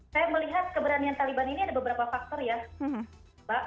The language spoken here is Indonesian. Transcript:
saya melihat keberanian taliban ini ada beberapa faktor ya mbak